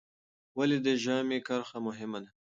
ولې د ژامې کرښه مهمه ده؟